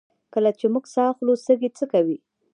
کله چې موږ ساه اخلو سږي څه کوي